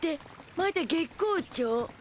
まだ月光町？